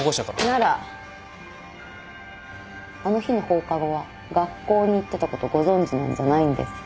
ならあの日の放課後は学校に行ってたことご存じなんじゃないんですか？